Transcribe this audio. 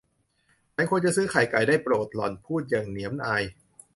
ฉันควรจะซื้อไข่ไก่ ได้โปรด หล่อนพูดอย่างเหนียมอาย